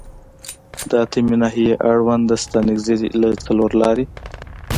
د اتمې ناحیې اړوند د ستانکزي له څلورلارې